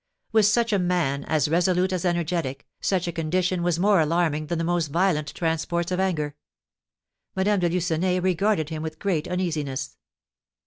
With such a man, as resolute as energetic, such a condition was more alarming than the most violent transports of anger. Madame de Lucenay regarded him with great uneasiness.